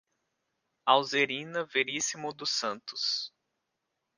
Alzerina Verissimo dos Santos